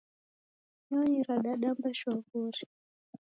Nyonyi radadamba shwa wori.